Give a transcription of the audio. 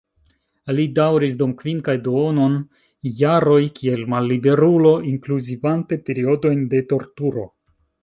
Li daŭris dum kvin kaj duonon jaroj kiel malliberulo, inkluzivante periodojn de torturo.